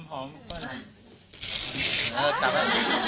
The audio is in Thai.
หอมไม่ใช่